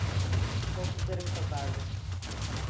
Koltuklarım kabardı.